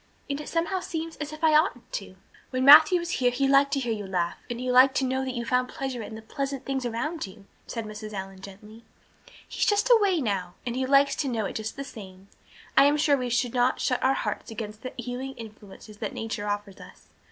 And it somehow seems as if I oughtn't to." "When Matthew was here he liked to hear you laugh and he liked to know that you found pleasure in the pleasant things around you," said Mrs. Allan gently. "He is just away now; and he likes to know it just the same. I am sure we should not shut our hearts against the healing influences that nature offers us.